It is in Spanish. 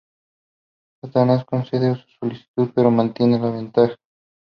Satanás concede su solicitud, pero mantiene la ventaja.